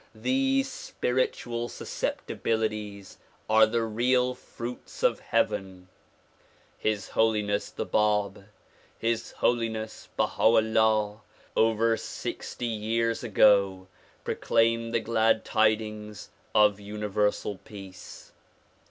These spiritual susceptibilities are the real fruits of heaven. His Holiness the Bab, His Holiness Baha 'Ullaii over sixty years ago proclaimed the glad tidings of Universal Peace.